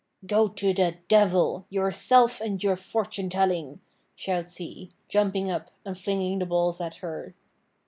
'Go to the Devil, yourself and your fortune telling,' shouts he, jumping up and flinging the balls at her.